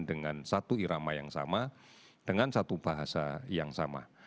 dengan satu irama yang sama dengan satu bahasa yang sama